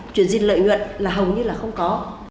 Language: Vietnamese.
chuyển dịch lợi nhuận là hầu như là không có